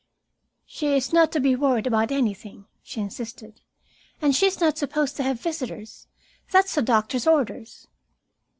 "She is not to be worried about anything," she insisted. "And she's not supposed to have visitors. That's the doctor's orders."